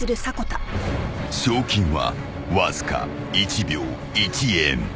［賞金はわずか１秒１円］